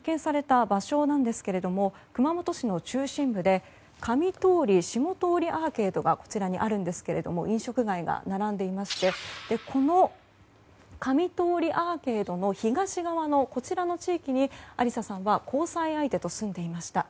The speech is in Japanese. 遺体が発見された場所なんですが熊本市の中心部で上通、下通アーケードがこちらにあるんですが飲食街が並んでいましてこの上通アーケードの東側の地域にありささんは交際相手と住んでいました。